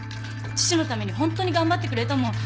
父のためにホントに頑張ってくれたもん。